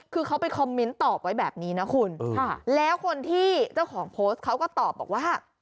คือเขาไปคอมเมนต์ตอบไว้แบบนี้นะคุณแล้วคนที่เจ้าของโพสต์เขาก็ตอบบอกว่า